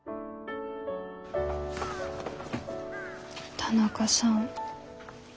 田中さん